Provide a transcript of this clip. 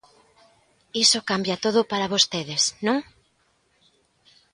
Iso cambia todo para vostedes, ¿non?